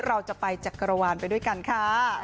เราจะไปจักรวาลไปด้วยกันค่ะ